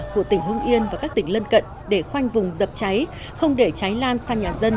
của tỉnh hưng yên và các tỉnh lân cận để khoanh vùng dập cháy không để cháy lan sang nhà dân